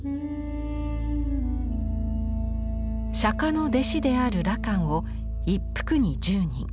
釈迦の弟子である羅漢を１幅に１０人。